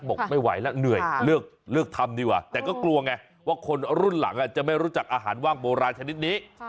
บอกไม่ไหวแล้วเหนื่อยเลือกทำดีกว่าแต่ก็กลัวไงว่าคนรุ่นหลังจะไม่รู้จักอาหารว่างโบราณชนิดนี้